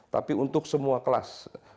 tapi untuk semua kelas